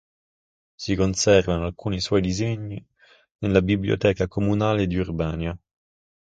Si conservano alcuni suoi disegni nella Biblioteca comunale di Urbania.